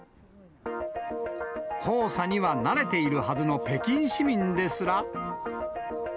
黄砂には慣れているはずの北京市民ですら。